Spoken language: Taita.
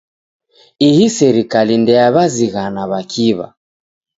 Ihi serikali ndeyaw'iazighana w'akiw'a.